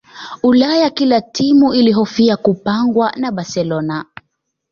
ulaya kila timu ilihofia kupangwa na barcelona